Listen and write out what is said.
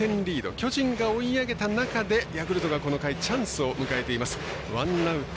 巨人が追い上げた中でヤクルトがこの回チャンスを迎えています。